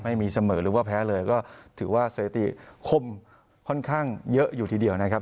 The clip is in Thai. ไม่มีเสมอหรือว่าแพ้เลยก็ถือว่าสถิติคมค่อนข้างเยอะอยู่ทีเดียวนะครับ